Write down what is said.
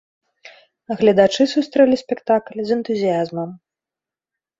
Гледачы сустрэлі спектакль з энтузіязмам.